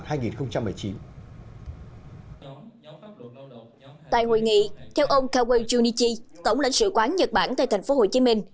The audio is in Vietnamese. tại hội nghị theo ông kawai junichi tổng lãnh sự quán nhật bản tại thành phố hồ chí minh